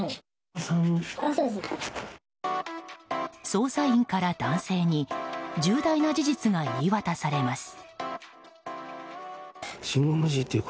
捜査員から男性に重大な事実が言い渡されます。